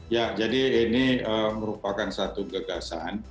ya jadi ini merupakan satu gagasan